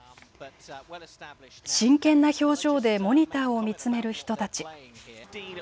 真剣な表情でモニターを見つめる人たち。